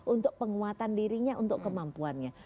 untuk penguatan dirinya untuk kemampuannya